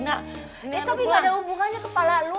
tapi gak ada hubungannya kepala lo